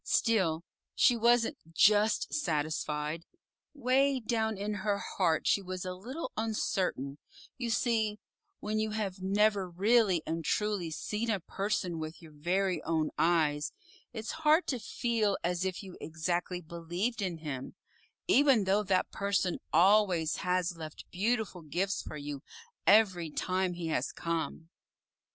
Still, she wasn't JUST satisfied. 'Way down in her heart she was a little uncertain you see, when you have never really and truly seen a person with your very own eyes, it's hard to feel as if you exactly believed in him even though that person always has left beautiful gifts for you every time he has come.